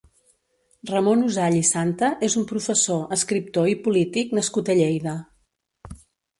Ramon Usall i Santa és un professor, escriptor i polític nascut a Lleida.